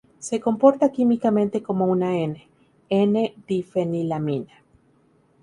Se comporta químicamente como una "N", "N"-difenilamina.